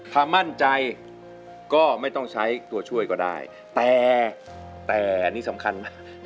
ถ้ามั่นใจก็ไม่ต้องใช้ตัวช่วยก็ได้แต่อันนี้สำคัญมาก